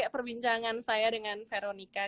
perbincangan saya dengan veronica